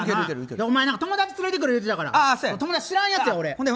お前、友達連れてくるって言うてたから俺、知らんやつやねん。